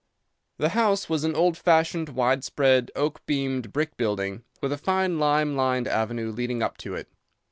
The house was an old fashioned, wide spread, oak beamed brick building, with a fine lime lined avenue leading up to it.